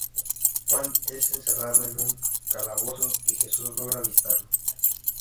Juan es encerrado en un calabozo y Jesús logra visitarlo.